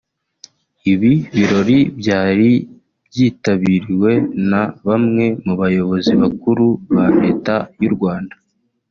Ibi birori byari byitabiriwe na bamwe mu bayobozi bakuru ba Leta y’u Rwanda